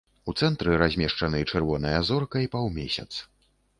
У цэнтры размешчаны чырвоная зорка і паўмесяц.